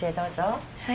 はい。